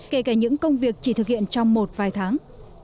kể cả những công việc chỉ thực hiện trong một vài tháng